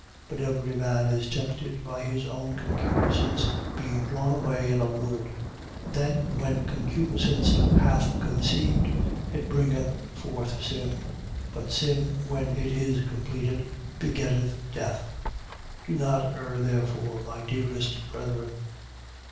1:14. But every man is tempted by his own concupiscence, being drawn away and allured. 1:15. Then, when concupiscence hath conceived, it bringeth forth sin. But sin, when it is completed, begetteth death. 1:16. Do not err, therefore, my dearest brethren.